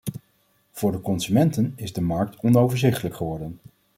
Voor de consumenten is de markt onoverzichtelijk geworden.